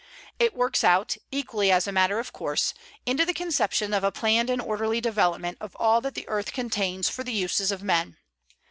It works out, equally as a matter of course, into the conception of a planned and orderly development of all that the earth contains for the uses of men.